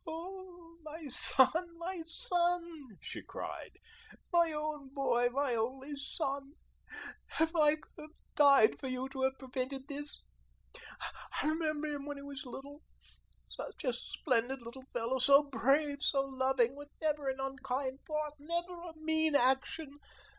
"Oh, my son, my son," she cried, "my own boy, my only son! If I could have died for you to have prevented this. I remember him when he was little. Such a splendid little fellow, so brave, so loving, with never an unkind thought, never a mean action.